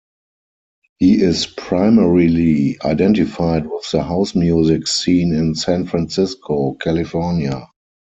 He is primarily identified with the house music scene in San Francisco, California.